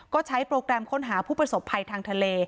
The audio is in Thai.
ก็ใช้โปรแกรมค้นหาผู้ประสบภัยทางทะเล